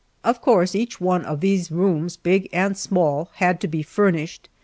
Of course each one of these rooms, big and small, had to be furnished.